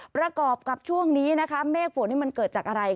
ประกอบกับช่วงนี้นะคะเมฆฝนนี่มันเกิดจากอะไร